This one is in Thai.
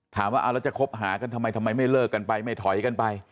ถามว่าเอาแล้วจะคบหากันทำไมทำไมไม่เลิกกันไปไม่ถอยกันไป